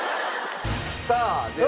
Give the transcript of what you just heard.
さあでは。